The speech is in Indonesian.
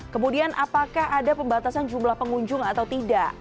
kemudian apakah ada pembatasan jumlah pengunjung atau tidak